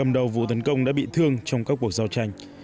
đầu vụ tấn công đã bị thương trong các cuộc giao tranh